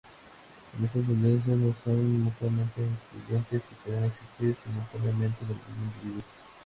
Estas tendencias no son mutuamente excluyentes, y podrían existir simultáneamente en el mismo individuo.